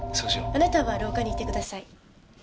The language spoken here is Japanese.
あなたは廊下にいてください。